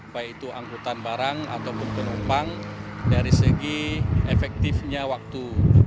baik itu angkutan barang ataupun penumpang dari segi efektifnya waktu